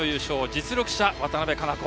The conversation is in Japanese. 実力者、渡部香生子。